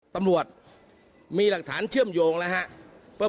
ตำรวจมีหลักฐานเชื่อมโยงแล้วครับ